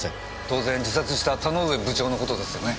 当然自殺した田ノ上部長の事ですよね？